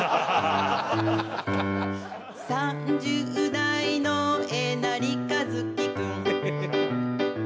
「３０代のえなりかずき君」